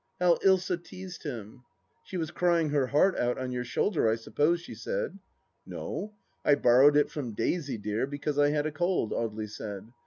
How Ilsa teased him !" She was crying her heart out on your shoulder, I sup pose !" she said. " No, I borrowed it from Daisy Dear because I had a cold," Audely said.